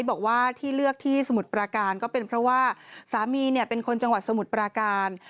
บอกว่าที่เลือกที่สมุทรปราการก็เป็นเพราะว่าสามีเนี่ยเป็นคนจังหวัดสมุทรปราการ